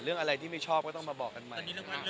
เรื่องอะไรที่ไม่ชอบก็ต้องมาบอกกันใหม่